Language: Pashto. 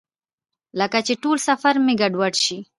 لکه چې ټول سفر مې ګډوډ شي.